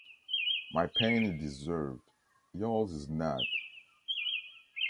My pain is deserved; yours is not.